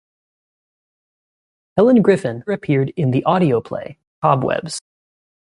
Helen Griffin later appeared in the audio play "Cobwebs".